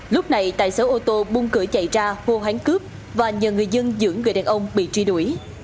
lúc này tài xế ô tô bung cửa chạy ra hô hoán cướp và nhờ người dân giữ người đàn ông bị truy đuổi